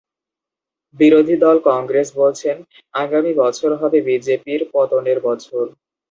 বিরোধী দল কংগ্রেস বলছেন, আগামী বছর হবে বিজেপির পতনের বছর।